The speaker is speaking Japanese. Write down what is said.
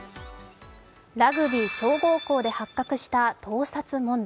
ラグビー強豪校で発覚した盗撮問題。